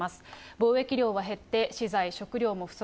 貿易量が減って資材、食料も不足。